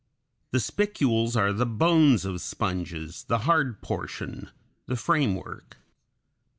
The spicules are the bones of sponges, the hard portion, the framework.